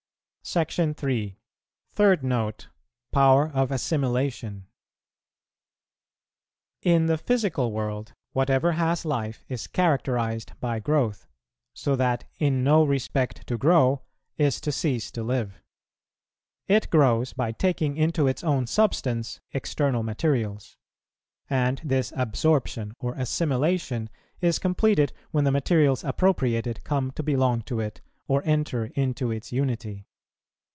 SECTION III. THIRD NOTE. POWER OF ASSIMILATION. In the physical world, whatever has life is characterized by growth, so that in no respect to grow is to cease to live. It grows by taking into its own substance external materials; and this absorption or assimilation is completed when the materials appropriated come to belong to it or enter into its unity.